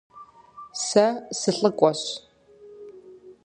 Сэ сылӀыкӀуэщ.